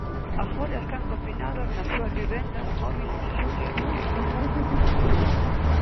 Agora están confinados nas súas vivendas móbiles Xulia Piñeiro.